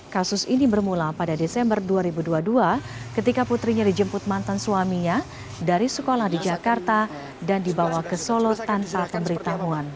kasus ini bermula pada desember dua ribu dua puluh dua ketika putrinya dijemput mantan suaminya dari sekolah di jakarta dan dibawa ke solo tanpa pemberitahuan